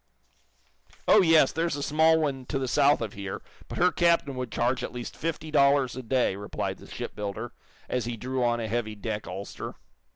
"Oh, yes; there's a small one to the south of here, but her captain would charge at least fifty dollars a day," replied the shipbuilder, as he drew on a heavy deck ulster.